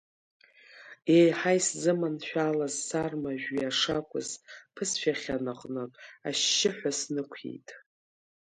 Еиҳа исзыманшәалаз сарма жәҩа шакәыз ԥысшәахьан аҟынтә, ашьшьыҳәа снықәиеит.